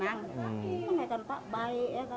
iya ibu kayaknya tampak baik ya kakak ibu